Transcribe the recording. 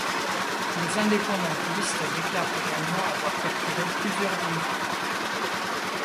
Les indépendantistes déclarent également avoir capturé plusieurs véhicules.